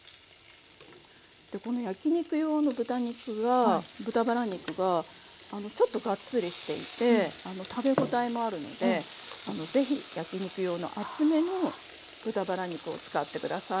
でこの焼き肉用の豚肉は豚バラ肉がちょっとがっつりしていて食べ応えもあるのでぜひ焼き肉用の厚めの豚バラ肉を使って下さい。